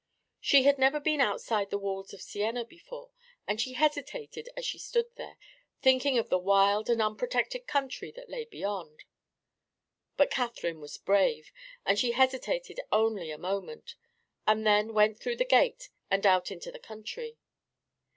She had never been outside the walls of Siena before, and she hesitated as she stood there, thinking of the wild and unprotected country that lay beyond. But Catherine was brave, and she hesitated only a moment, and then went through the gate and out into the country.